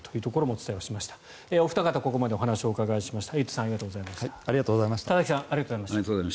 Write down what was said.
お二方ここまでお話をお伺いしました。